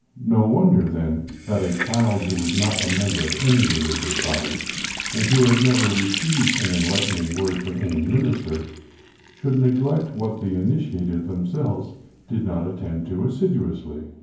No wonder, then, that a child who was not a member of any religious body, and who had never received an enlightening word from any minister, should neglect what the initiated themselves did not attend to assiduously.